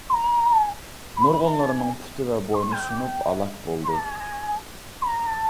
نۇرغۇنلىرىنىڭ پۇتى ۋە بوينى سۇنۇپ ھالاك بولدى.